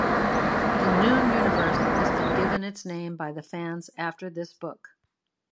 The "Noon Universe" has been given its name by the fans after this book.